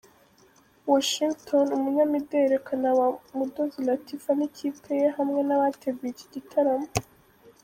Washington, Umunyamideri akanaba mudozi Latifah n'ikipe ye hamwe nabateguye iki gitaramo.